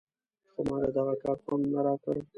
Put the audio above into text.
خو ماته دغه کار خوند نه راکړ.